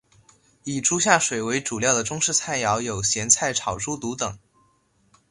以猪下水为主料的中式菜肴有咸菜炒猪肚等。